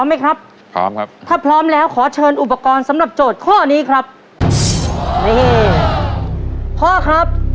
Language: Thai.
อ่าตอนนี้นะครับตอนนี้นะครับ